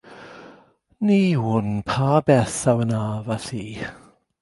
Ni wn pa beth a wnaf â thi.